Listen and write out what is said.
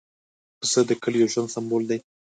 پسه د کلیو ژوند سمبول دی.